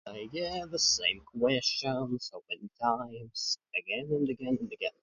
Again, the same questions, so many times, again and again and again.